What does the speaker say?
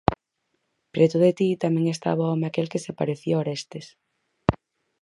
Preto de ti tamén estaba o home aquel que se parecía a Orestes.